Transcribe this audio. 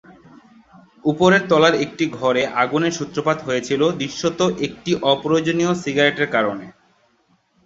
উপরের তলার একটি ঘরে আগুনের সূত্রপাত হয়েছিল, দৃশ্যত একটি অপ্রয়োজনীয় সিগারেটের কারণে।